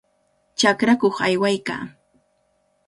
Chakrakuq aywaykaa.